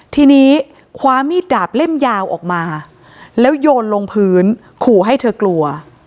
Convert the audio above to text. ทีนี้คว้ามีดดาบเล่มยาวออกมาแล้วโยนลงพื้นขู่ให้เธอกลัว